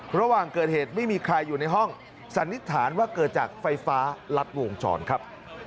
ระหว่างเกิดเหตุไม่มีใครอยู่ในห้องสันนิษฐานว่าเกิดจากไฟฟ้ารัดวงจรครับ